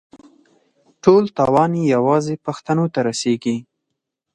ټول تاوان یې یوازې پښتنو ته رسېږي.